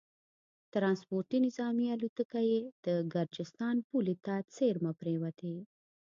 ټرانسپورټي نظامي الوتکه یې د ګرجستان پولې ته څېرمه پرېوتې